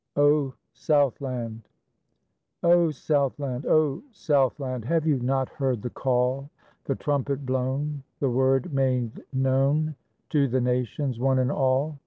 O SOUTHLAND! O Southland! O Southland! Have you not heard the call, The trumpet blown, the word made known To the nations, one and all?